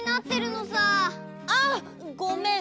あっごめん。